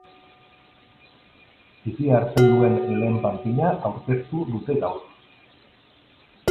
Titia hartzen duen lehen panpina aurkeztu dute gaur.